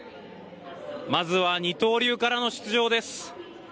まずは、二刀流からの出場です。